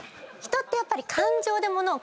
人ってやっぱり。